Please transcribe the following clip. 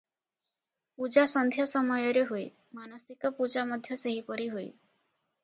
ପୂଜା ସନ୍ଧ୍ୟା ସମୟରେ ହୁଏ, ମାନସିକ ପୂଜା ମଧ୍ୟ ସେହିପରି ହୁଏ ।